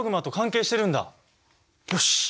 よし！